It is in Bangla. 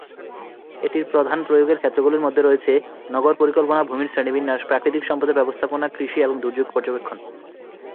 এটির প্রধান প্রয়োগের ক্ষেত্রগুলির মধ্যে রয়েছে নগর পরিকল্পনা, ভূমির শ্রেণিবিন্যাস, প্রাকৃতিক সম্পদের ব্যবস্থাপনা, কৃষি এবং দুর্যোগ পর্যবেক্ষণ।